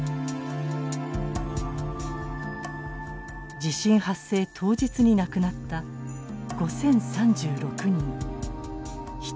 地震発生当日に亡くなった５，０３６人一人一人の記録。